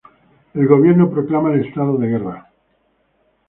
El gobierno proclama el estado de guerra.